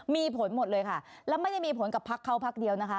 มีผลหมดเลยค่ะแล้วไม่ได้มีผลกับพักเขาพักเดียวนะคะ